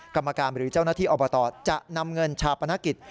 กรรมการหรือเจ้าหน้าที่อบตจะนำเงินชาปนกิจ